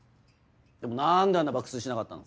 でも何でアンナ爆睡しなかったの？